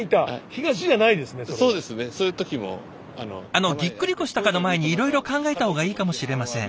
あのぎっくり腰とかの前にいろいろ考えた方がいいかもしれません。